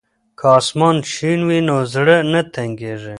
که اسمان شین وي نو زړه نه تنګیږي.